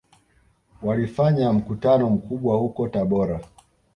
Walifanya mkutano mkubwa huko Tabora